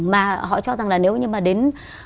mà họ cho rằng là nếu như mà đến